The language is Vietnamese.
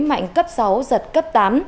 mạnh cấp sáu giật cấp tám